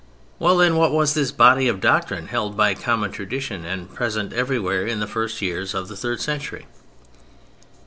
Well, then, what was this body of doctrine held by common tradition and present everywhere in the first years of the third century?